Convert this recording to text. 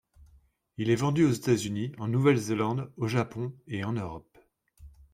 Il est vendu aux États-Unis, en Nouvelle-Zélande, au Japon et en Europe.